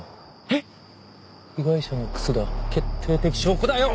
えっ⁉被害者の靴だ決定的証拠だよ！